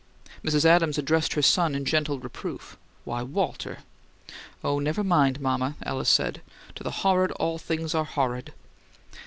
Mrs. Adams addressed her son in gentle reproof, "Why Walter!" "Oh, never mind, mama," Alice said. "To the horrid all things are horrid."